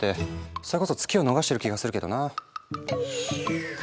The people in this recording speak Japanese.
それこそ「ツキ」を逃してる気がするけどなぁ。